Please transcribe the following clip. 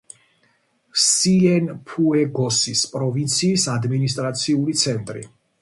სიენფუეგოსის პროვინციის ადმინისტრაციული ცენტრი.